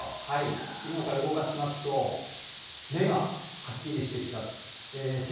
きのうから動かしますと、目がはっきりしてきた。